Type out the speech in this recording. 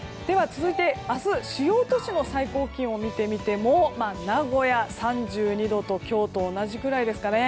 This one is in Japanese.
明日、主要都市の最高気温を見ても名古屋、３２度と今日と同じくらいですね。